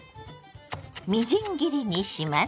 みじん切りにします。